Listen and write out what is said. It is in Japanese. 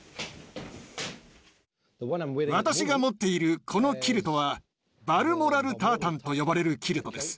私が持っているこのキルトは「バルモラル・タータン」と呼ばれるキルトです。